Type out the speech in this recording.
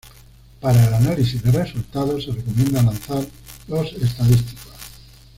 Para el análisis de resultados, se recomienda lanzar los estadísticos.